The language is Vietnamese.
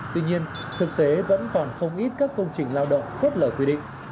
tuy nhiên thực tế vẫn còn không ít các công trình lao động phớt lờ quy định